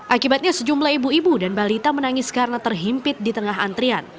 akibatnya sejumlah ibu ibu dan balita menangis karena terhimpit di tengah antrian